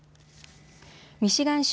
ミシガン州